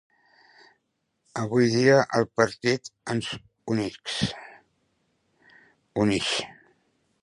Avui dia el Partit ens unix.